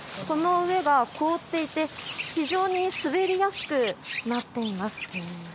この上が凍っていて非常に滑りやすくなっています。